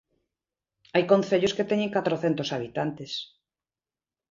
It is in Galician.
Hai concellos que teñen catrocentos habitantes.